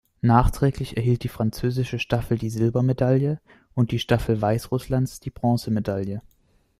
Nachträglich erhielt die französische Staffel die Silbermedaille und die Staffel Weißrusslands die Bronzemedaille.